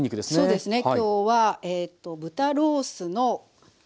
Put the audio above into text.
そうですね。